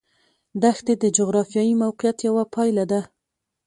دښتې د جغرافیایي موقیعت یوه پایله ده.